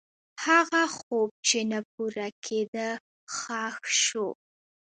هغه خوب چې نه پوره کېده، ښخ شو.